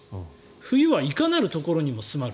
冬はいかなるところにも住まる。